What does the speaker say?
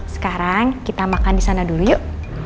sekarang kita makan disana dulu yuk